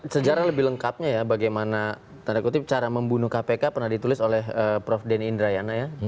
sejarah lebih lengkapnya ya bagaimana tanda kutip cara membunuh kpk pernah ditulis oleh prof denny indrayana ya